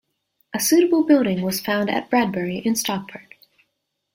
A suitable building was found at Bredbury in Stockport.